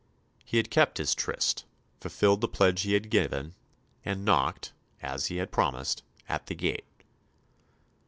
He had kept his tryst, fulfilled the pledge he had given, and knocked, as he had promised, at the gate.